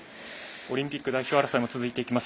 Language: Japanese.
オリンピック代表争いも続いていきます。